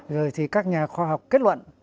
rồi thì các nhà khoa học kết luận